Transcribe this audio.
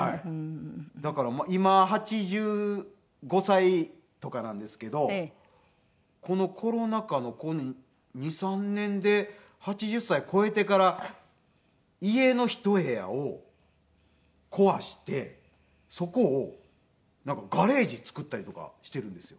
だから今８５歳とかなんですけどこのコロナ禍の２３年で８０歳超えてから家のひと部屋を壊してそこをガレージ造ったりとかしているんですよ。